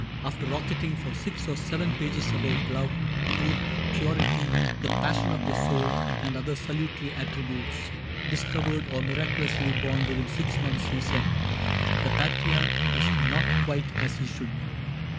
After rocketing For six or seven pages about love. Truth, purity, the passion of the soul. And other salutary attributes. Discovered or miraculously born Within six months, he said :" The Patriarch Is not quite as he should be.